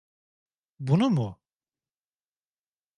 Bunu mu?